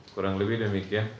kurang lebih demikian